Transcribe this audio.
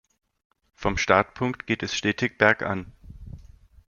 Vom Startpunkt geht es stetig bergan.